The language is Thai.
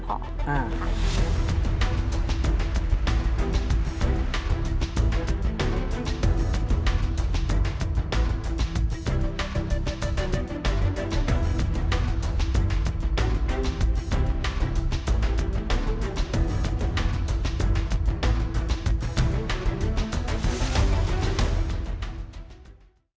โปรดติดตามตอนต่อไป